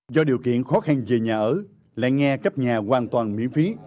do điều kiện khó khăn về nhà ở lại nghe cấp nhà hoàn toàn miễn phí